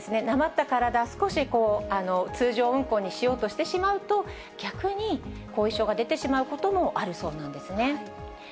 なまった体、少し通常運行にしようとしてしまうと、逆に後遺症が出てしまうこともあるそうなんですね。